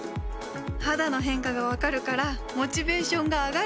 肌の変化が分かるからモチベーションが上がる！